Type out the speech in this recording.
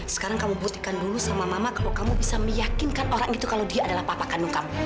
sekarang kamu buktikan dulu sama mama kalau kamu bisa meyakinkan orang itu kalau dia adalah papa kandung kamu